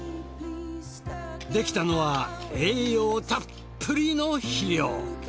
できたのは栄養たっぷりの肥料。